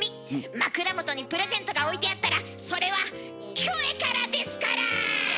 枕元にプレゼントが置いてあったらそれはキョエからですから！